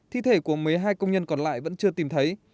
thi thể của một mươi hai công nhân còn lại vẫn chưa tìm thấy